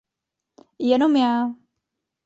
Jenom já!